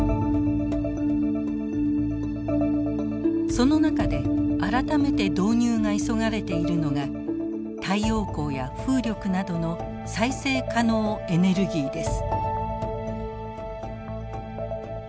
その中で改めて導入が急がれているのが太陽光や風力などの再生可能エネルギーです。